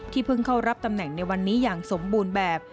เพิ่งเข้ารับตำแหน่งในวันนี้อย่างสมบูรณ์แบบ